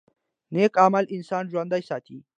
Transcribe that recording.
نیک عمل انسان ژوندی ساتي